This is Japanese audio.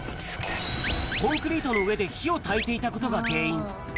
コンクリートの上で火をたいていたことが原因。